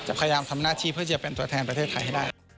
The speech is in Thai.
พยายามทำหน้าที่เพื่อจะเป็นตัวแทนประเทศไทยให้ได้